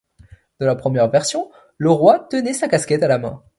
Dans la première version, le roi tenait sa casquette à la main.